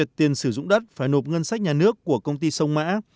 phê duyệt tiền sử dụng đất phải nộp vào ngân sách nhà nước của công ty sông mã